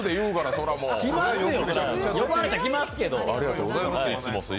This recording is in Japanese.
それは呼ばれたら来ますけど。